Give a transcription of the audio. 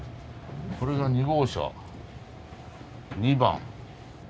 これが２号車２番。